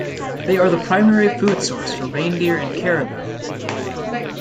They are the primary food source for reindeer and caribou.